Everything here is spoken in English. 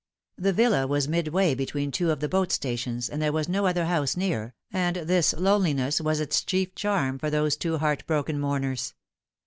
The Villa was midway between two of the boat stations, and there was no other house near, and this lone liness was its chief charm for those two heart broken mourners.